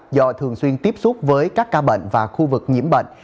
do thường xuyên tiếp xúc với các ca bệnh và khu vực nhiễm bệnh